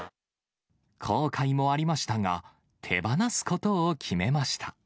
後悔もありましたが、手放すことを決めました。